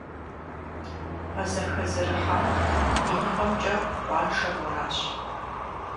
А зэхэзэрыхьам и ныкъуэмкӀэ къуаншэр уэращ.